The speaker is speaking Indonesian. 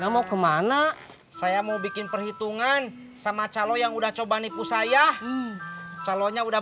mau kemana saya mau bikin perhitungan sama calon yang udah coba nipu saya calonnya udah